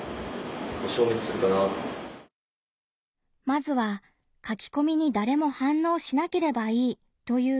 まずは「書きこみにだれも反応しなければいい」という意見。